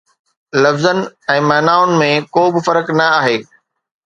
لفظن ۽ معنائن ۾ ڪو به فرق نه آهي